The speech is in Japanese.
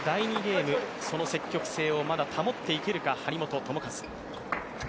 第２ゲーム、その積極性を保っていけるか、張本智和。